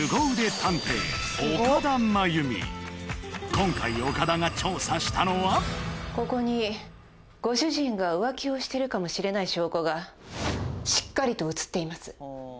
今回岡田が調査したのはここにご主人が浮気をしてるかもしれない証拠がしっかりと写っています